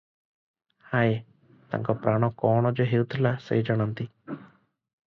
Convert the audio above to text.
ହାୟ! ତାଙ୍କ ପ୍ରାଣ ଯେ କଣ ହେଉଥିଲା ସେ ଜାଣନ୍ତି ।